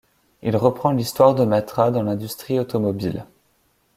Il reprend l'histoire de Matra dans l'Industrie automobile.